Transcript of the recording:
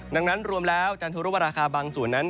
ดังนั้นรวมแล้วจันทรุปราคาบางส่วนนั้น